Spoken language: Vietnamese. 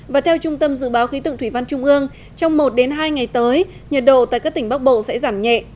và theo trung tâm dự báo khí tượng thủy văn trung ương trong một hai ngày tới nhiệt độ tại các tỉnh bắc bộ sẽ giảm nhẹ